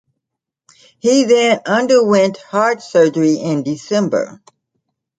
He then underwent heart surgery in December.